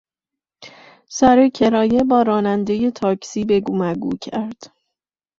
سر کرایه با رانندهی تاکسی بگومگو کرد.